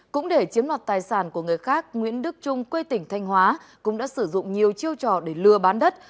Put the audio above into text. cũng để chiếm đoạt tài sản của người khác nguyễn đức trung quê tỉnh thanh hóa cũng đã sử dụng nhiều chiêu trò để lừa bán đất